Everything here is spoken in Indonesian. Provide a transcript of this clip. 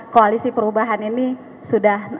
koalisi perubahan ini sudah